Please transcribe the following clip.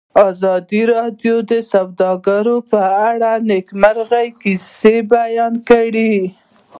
ازادي راډیو د سوداګري په اړه د نېکمرغۍ کیسې بیان کړې.